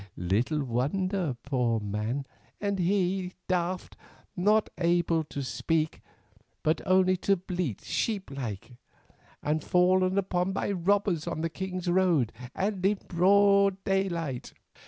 And little wonder, poor man, and he daft, not being able to speak, but only to bleat sheeplike, and fallen upon by robbers on the king's roads, and in broad daylight.